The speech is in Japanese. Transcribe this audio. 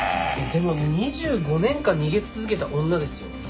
でも２５年間逃げ続けた女ですよ。